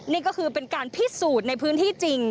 นี่ก็คือเป็นการพิสูจน์ในพื้นที่จริง